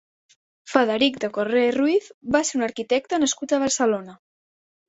Frederic de Correa i Ruiz va ser un arquitecte nascut a Barcelona.